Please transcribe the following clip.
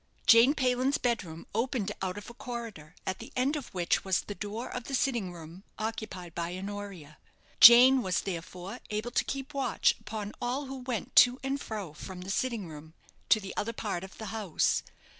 Jane Payland's bedroom opened out of a corridor, at the end of which was the door of the sitting room occupied by Honoria. Jane was, therefore, able to keep watch upon all who went to and fro from the sitting room to the other part of the house.